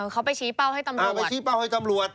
เขาไปชี้เป้าให้ตำรวจ